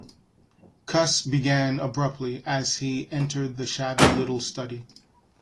Cuss began abruptly, as he entered the shabby little study.